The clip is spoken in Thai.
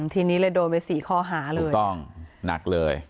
ทีนี้เลยโดนไป๔ข้อหาเลยถูกต้องหนักเลย